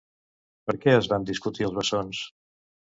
Per què es van discutir els bessons?